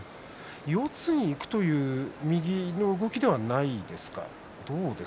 四つにいくという右の動きではないですか？